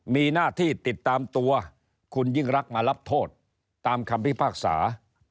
มีหน้าที่ติดตามตัวคุณยิ่งรักมารับโทษตามคำพิพากษา